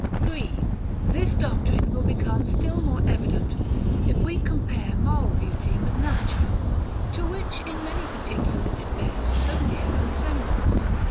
III. This doctrine will become still more evident, if we compare moral beauty with natural, to which in many particulars it bears so near a resemblance.